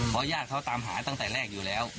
เพราะญาติเขาตามหาตั้งแต่แรกอยู่แล้ว